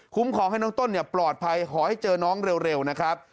ขอให้น้องต้นปลอดภัยขอให้เจอน้องเร็วนะครับ